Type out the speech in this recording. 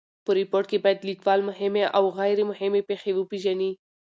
په ریپورټ کښي باید لیکوال مهمي اوغیري مهمي پېښي وپېژني.